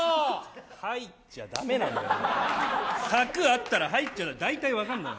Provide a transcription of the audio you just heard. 入っちゃ駄目なんだよ、柵あったら入っちゃ駄目、大体分かるだろ。